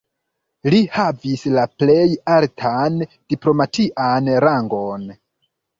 Li havis la plej altan diplomatian rangon.